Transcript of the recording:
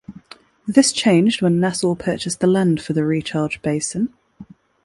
This changed when Nassau purchased the land for the recharge basin.